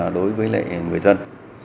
đối với người dân